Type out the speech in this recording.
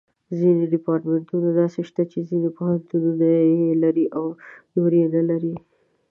ځینې ډیپارټمنټونه داسې شته چې ځینې پوهنتونونه یې لري او نور یې نه لري.